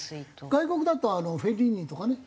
外国だとフェリーニとかね